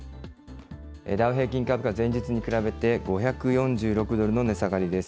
ダウ平均株価、前日に比べて５４６ドルの値下がりです。